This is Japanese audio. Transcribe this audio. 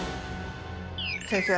先生